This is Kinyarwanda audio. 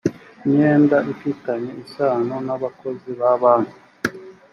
imyenda ifitanye isano n abakozi ba banki